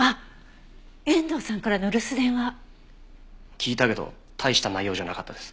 聴いたけど大した内容じゃなかったです。